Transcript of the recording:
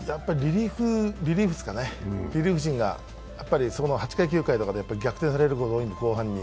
リリーフですかね、リリーフ陣が８回、９回に逆転されることが多いので、後半に。